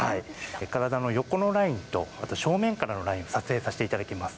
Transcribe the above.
体の横のラインとあと正面からのラインを撮影させていただきます。